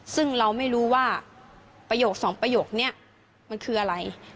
ซึ่งเราไม่รู้ว่าประโยคสองประโยคนี้มันคืออะไร